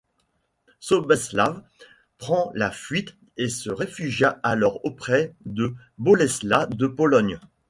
Sobeslav prend la fuite et se réfugia alors auprès de Boleslas de Pologne.